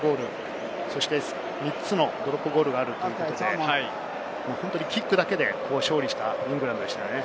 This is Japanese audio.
３つのドロップゴールがあるということで、キックだけで勝利したイングランドでしたよね。